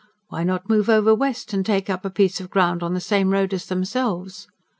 Why not move over west, and take up a piece of ground in the same road as themselves?